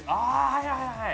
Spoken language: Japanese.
はいはいはいはい！